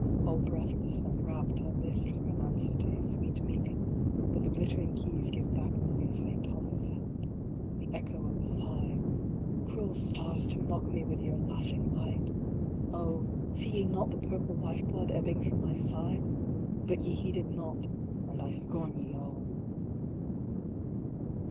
All breathless and rapt I list for an answer to his sweet meaning, but the glitter ing keys give back only a faint hollow sound the echo of a sigh ! Cruel stars to mock me with your laughing light ! Oh ! see ye not the purple life blood ebbing from my side? But ye heed it not and I scorn ye all.